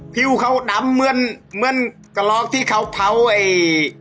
ผิวเขาดำเหมือนกะลอกที่เขาเผาไอ้